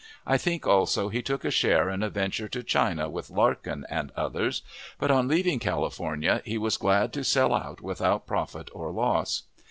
I think also he took a share in a venture to China with Larkin and others; but, on leaving California, he was glad to sell out without profit or loss.